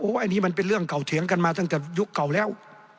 อันนี้มันเป็นเรื่องเก่าเถียงกันมาตั้งแต่ยุคเก่าแล้ว